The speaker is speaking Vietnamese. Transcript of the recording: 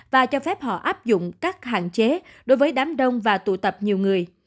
và cho phép họ áp dụng các hạn chế đối với đám đông và tụ tập nhiều người